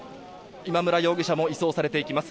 今村容疑者も移送されていきます。